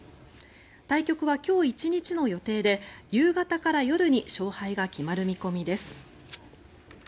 対局は今日１日の予定で夕方から夜に勝敗が決まる見込みです。